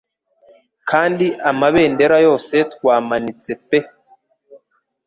Kandi amabendera yose twamanitse pe